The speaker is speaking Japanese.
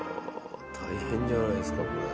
大変じゃないですかこれ。